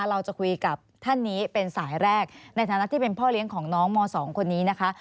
เราจะคุยกับท่านนี้เป็นสายแรกในฐานะที่เป็นพ่อเลี้ยงของน้องม๒คนนี้นะคะ